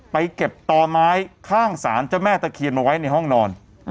ไปเก็บต่อไม้ข้างศาลเจ้าแม่ตะเคียนมาไว้ในห้องนอน